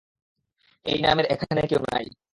এই নামের এখানে কেউ নাই।